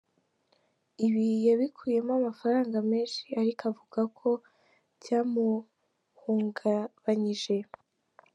Ibi yabikuyemo amafaranga menshi ariko avuga ko byamuhungabanyije.